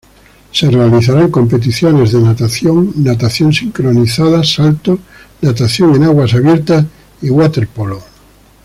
Se realizarán competiciones de natación, natación sincronizada, saltos, natación en aguas abiertas y waterpolo.